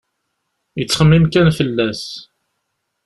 Yettxemmim kan fell-as.